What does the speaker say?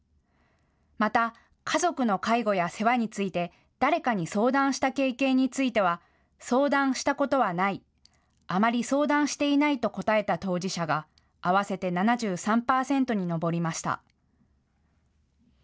また家族の介護や世話について誰かに相談した経験については相談したことはない、あまり相談していないと答えた当事者が合わせて７３％に上りました。